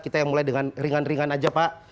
kita yang mulai dengan ringan ringan aja pak